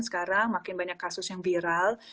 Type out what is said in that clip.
sekarang makin banyak kasus yang viral